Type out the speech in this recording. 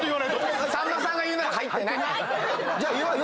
さんまさんが言うなら入ってない。